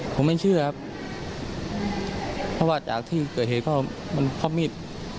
ผมไม่เชื่อครับเพราะว่าจากที่เกิดเหตุก็มันเพราะมีด